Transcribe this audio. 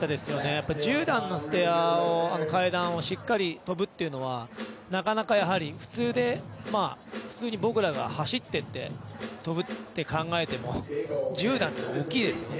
やっぱり１０段の階段をしっかり跳ぶっていうのは、なかなか、普通に僕らが走って行って跳ぶって考えても、１０段って大きいですよね。